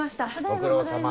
ご苦労さま。